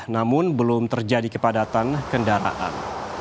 namun belum terjadi kepadatan kendaraan